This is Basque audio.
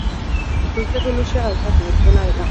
Itzultzeko ilusioa daukat nik, dena dela.